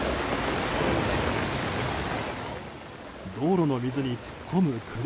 道路の水に突っ込む車。